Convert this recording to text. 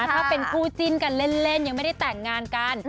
ถ้าเป็นคู่จิ้นกันเล่นยังไม่ได้แต่งงานกัน